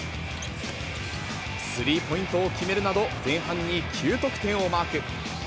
スリーポイントを決めるなど、前半に９得点をマーク。